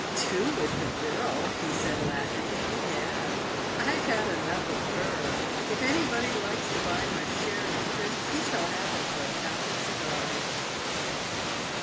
" Do with the girl !" he said, laughing —" egad ! I've had enough of her. If anybody likes to buy my share and interest, he shall have it for a pound of cigars."